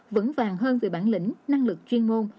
vững vàng hơn về bản lĩnh năng lực chuyên môn